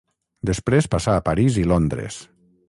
Després passà a París i Londres.